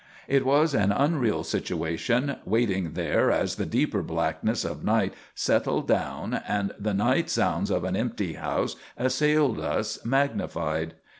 It was an unreal situation, waiting there as the deeper blackness of night settled down and the night sounds of an empty house assailed us magnified.